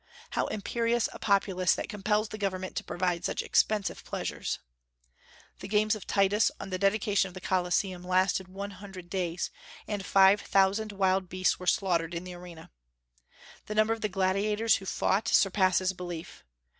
How imperious a populace that compels the government to provide such expensive pleasures! The games of Titus, on the dedication of the Colosseum, lasted one hundred days, and five thousand wild beasts were slaughtered in the arena. The number of the gladiators who fought surpasses belief.